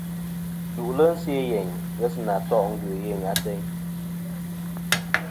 Jù'lɨ se' yeyn ghesɨna to' ngœ yèyn ateyn.